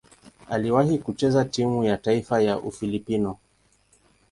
Aliwahi kucheza timu ya taifa ya Ufilipino.